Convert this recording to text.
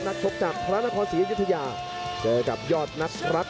ชกจากพระนครศรีอยุธยาเจอกับยอดนักรัก